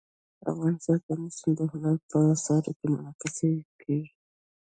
افغانستان کې آمو سیند د هنر په اثار کې منعکس کېږي.